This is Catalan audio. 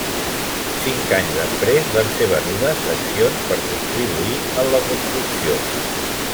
Cinc anys després van ser venudes accions per contribuir en la construcció.